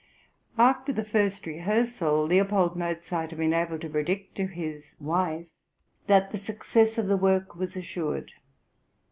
After the first rehearsal, L. Mozart had been able to predict to his wife that the success of the work was assured.